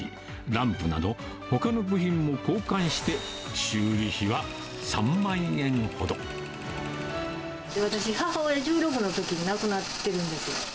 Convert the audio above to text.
ランプなど、ほかの部品も交換して、私、母親、１６のときに亡くなってるんですよ。